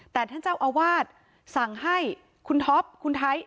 แต่ท่านเจ้าอาวาสสั่งให้คุณท็อปคุณไทย